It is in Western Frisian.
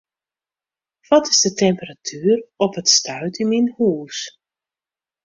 Wat is de temperatuer op it stuit yn myn hûs?